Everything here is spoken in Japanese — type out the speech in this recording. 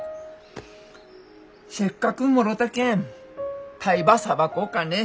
せっかくもろたけんタイばさばこうかね。